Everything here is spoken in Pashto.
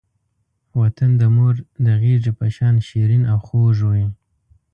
وطن د مور د غېږې په شان شیرین او خوږ وی.